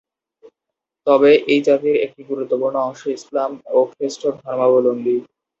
তবে এই জাতির একটি গুরুত্বপূর্ণ অংশ ইসলাম ও খ্রিষ্ট ধর্মাবলম্বী।